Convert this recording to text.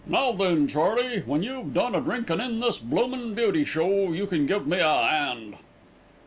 "Now then, Charley, when you've done a drinkin' in this bloomin' beauty show, you can give me a 'and."